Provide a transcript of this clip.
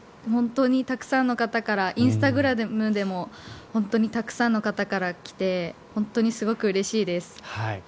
本当にたくさんの方からインスタグラムでも本当にたくさんの方から来て本当にすごくうれしいです。